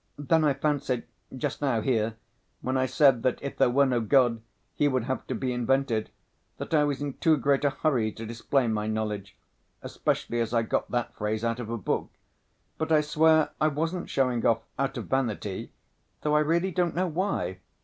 Then I fancied—just now, here—when I said that if there were no God He would have to be invented, that I was in too great a hurry to display my knowledge, especially as I got that phrase out of a book. But I swear I wasn't showing off out of vanity, though I really don't know why.